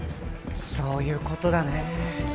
そういうことだね